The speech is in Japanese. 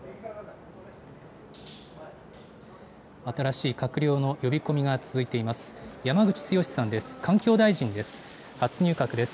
新しい閣僚の呼び込みが続いています。